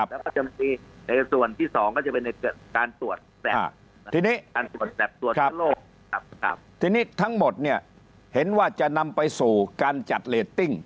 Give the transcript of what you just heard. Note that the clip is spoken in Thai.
แล้วก็จะมีในส่วนที่สองก็จะเป็นในการตรวจแบบที่นี่ทั้งหมดเนี่ยเห็นว่าจะนำไปสู่การจัดเรตติ้ง